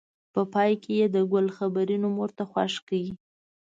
په پای کې یې د ګل خبرې نوم ورته خوښ کړ.